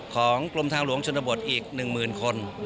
ของกลมทางหลวงชนบทอีกหนึ่งหมื่นคน